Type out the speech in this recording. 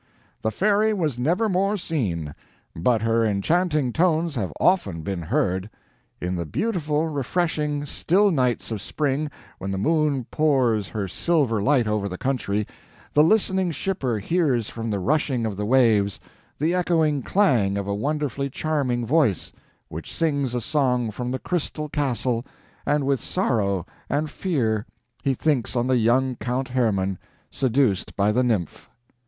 "The Fairy was never more seen; but her enchanting tones have often been heard. In the beautiful, refreshing, still nights of spring, when the moon pours her silver light over the Country, the listening shipper hears from the rushing of the waves, the echoing Clang of a wonderfully charming voice, which sings a song from the crystal castle, and with sorrow and fear he thinks on the young Count Hermann, seduced by the Nymph."